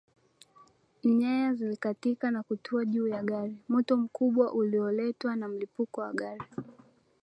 Nyaya zikakatika na kutua juu ya gari moto mkubwa ulioletwa na mlipuko wa gari